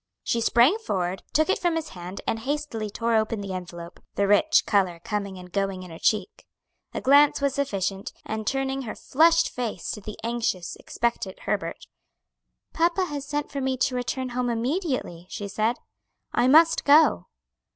She sprang forward, took it from his hand and hastily tore open the envelope, the rich color coming and going in her cheek. A glance was sufficient, and turning her flushed face to the anxious, expectant Herbert: "Papa has sent for me to return home immediately," she said; "I must go."